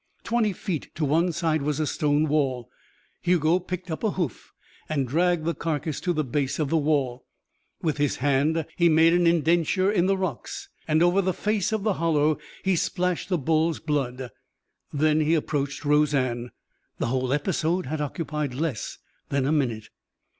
Twenty feet to one side was a stone wall. Hugo picked up a hoof and dragged the carcass to the base of the wall. With his hand he made an indenture in the rocks, and over the face of the hollow he splashed the bull's blood. Then he approached Roseanne. The whole episode had occupied less than a minute.